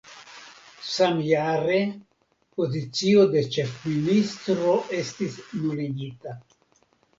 Samjare pozicio de ĉefministro estis nuligita.